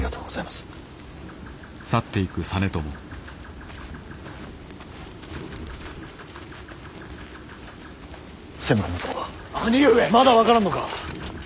まだ分からんのか。